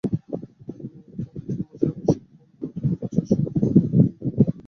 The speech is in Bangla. তাঁদের তিন বছর বয়সী প্রেম নতুন বছরের শুরুতে পরিণতির দিকে এগোল।